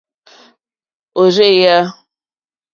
Òrzèèyá.